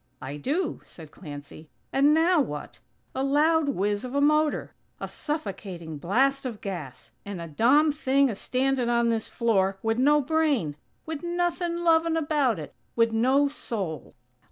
"I do," said Clancy. "And now what? A loud whizz of a motor! A suffocating blast of gas! and a dom thing a standin' on this floor, wid no brain; wid nothin' lovin' about it. Wid no soul."